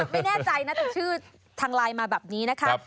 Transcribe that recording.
ไม่แน่ใจนะถึงชื่อทางไลน์มาแบบนี้นะคะ